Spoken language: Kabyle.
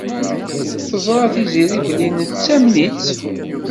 Teẓṛa Tiziri belli nettamen-itt.